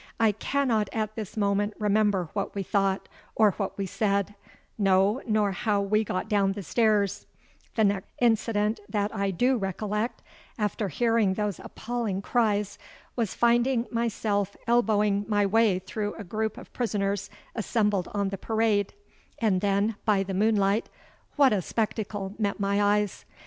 I cannot at this moment remember what we thought, or what we said—no, nor how we got down the stairs: the next incident that I do recollect, after hearing those appalling cries, was finding myself elbowing my way through a group of prisoners assembled on the parade; and then, by the moonlight, what a spectacle met my eyes!